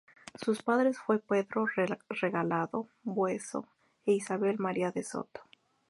Sus padres fueron Pedro Regalado Bueso e Isabel María de Soto.